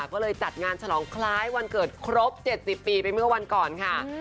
ก็เลยจัดงานฉลองคล้ายวันเกิดครบ๗๐ปีไปเมื่อวันก่อนค่ะ